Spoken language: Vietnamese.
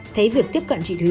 thấy việc tiếp cận chị thúy